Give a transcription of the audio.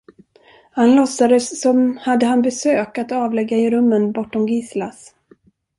Han låtsade som hade han besök att avlägga i rummen bortom Giselas.